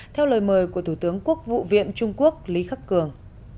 theo lời mời của thủ tướng quốc vụ viện trung quốc lý khắc cường